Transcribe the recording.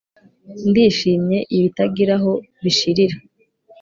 Ndishimye ibitagiraho bishirira